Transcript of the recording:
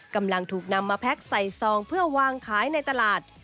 กำลังถูกนำมาแพ็คใส่ซองเพื่อวางขายในตลาด